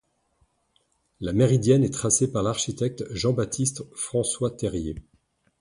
La méridienne est tracée par l’architecte Jean-Baptiste-François Terrier.